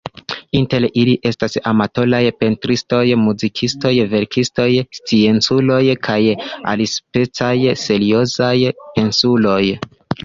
Inter ili estas amatoraj pentristoj, muzikistoj, verkistoj, scienculoj kaj alispecaj seriozaj pensuloj.